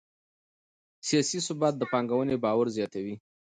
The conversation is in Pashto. سیاسي ثبات د پانګونې باور زیاتوي